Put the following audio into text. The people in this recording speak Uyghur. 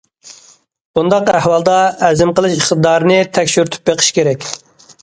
بۇنداق ئەھۋالدا ھەزىم قىلىش ئىقتىدارىنى تەكشۈرتۈپ بېقىش كېرەك.